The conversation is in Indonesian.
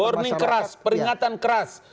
warning keras peringatan keras